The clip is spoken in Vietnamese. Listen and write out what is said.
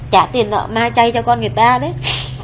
trả tiền nợ ma chay cho con người ta đấy